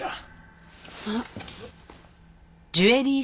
あっ。